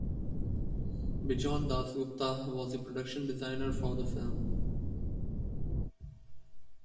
Bijon Das Gupta was the production designer for the film.